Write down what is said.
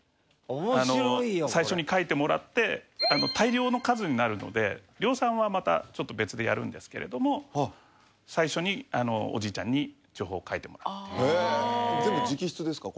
面白いよこれ最初に書いてもらって大量の数になるので量産はまたちょっと別でやるんですけれども最初におじいちゃんに情報を書いてもらうっていう全部直筆ですか？